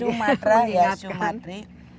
sumatra ya sumatri